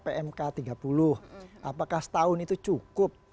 pmk tiga puluh apakah setahun itu cukup